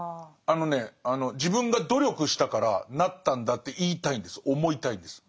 あのね「自分が努力したからなったんだ」って言いたいんです思いたいんです。